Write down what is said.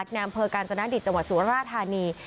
ในอำเภอกาญจนดิตจังหวัดสุราธานี